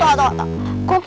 tunggu tunggu tunggu